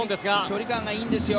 距離感がいいんですよ。